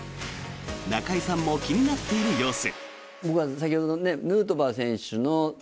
中居さんも気になっている様子。